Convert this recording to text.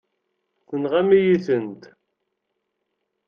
Tenɣam-iyi-tent.